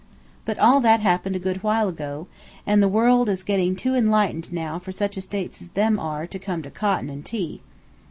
But all that happened a good while ago, and the world is getting too enlightened now for such estates as them are to come to cotton and tea."